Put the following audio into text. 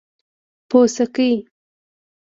🍄🟫 پوڅکي